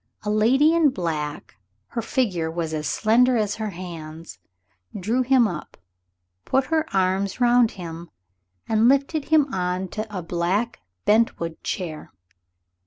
A lady in black her figure was as slender as her hands drew him up, put her arms round him, and lifted him on to a black bentwood chair.